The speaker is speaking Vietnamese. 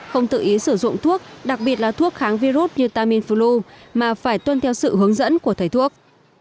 không tự ý sử dụng thuốc đặc biệt là thuốc kháng virus như tamiflu mà phải tuân theo sự hướng dẫn của thầy thuốc